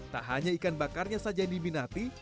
tak hanya ikan bakarnya saja yang diminati